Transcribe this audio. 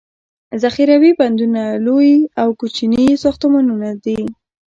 ذخیروي بندونه لوي او یا کوچني ساختمانونه دي.